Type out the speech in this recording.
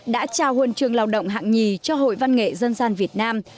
đã trao huân trường lao động hạng nhì cho hội văn nghệ dân gian việt nam